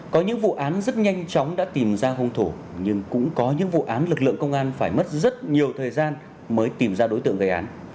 có những vụ án rất nhanh chóng đã tìm ra hung thủ nhưng cũng có những vụ án lực lượng công an phải mất rất nhiều thời gian mới tìm ra đối tượng gây án